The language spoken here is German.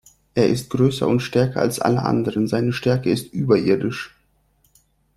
Er ist größer und stärker als alle anderen, seine Stärke ist überirdisch.